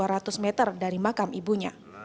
jarod berjarak sekitar dua ratus meter dari makam ibunya